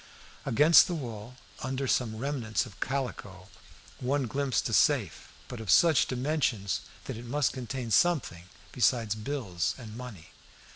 Against the wall, under some remnants of calico, one glimpsed a safe, but of such dimensions that it must contain something besides bills and money.